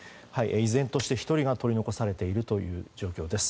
依然として１人が取り残されている状況です。